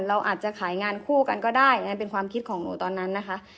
เราอาจจะขายงานคู่กันก็ได้อันเป็นความคิดของหนูตอนนั้นนะคะ